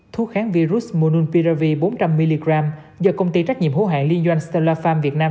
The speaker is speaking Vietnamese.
thuốc kháng virus mononpiravir bốn trăm linh mg do công ty trách nhiệm hữu hạn liên doanh stellar farm việt nam